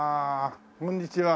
こんにちは。